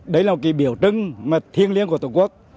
đấy là một cái biểu trưng mà thiêng liêng của tổ quốc